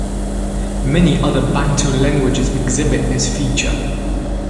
Many other Bantu languages exhibit this feature.